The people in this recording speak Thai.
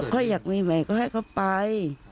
ก็อยากมีใหม่ก็ให้เขาไป